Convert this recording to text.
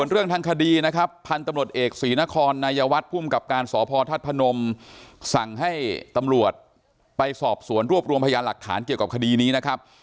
เรื่องทางคดีนะครับพันธุ์ตำรวจเอกศรีนครนายวัฒน์ภูมิกับการสพธาตุพนมสั่งให้ตำรวจไปสอบสวนรวบรวมพยานหลักฐานเกี่ยวกับคดีนี้นะครับ